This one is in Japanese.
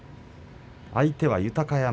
相手の豊山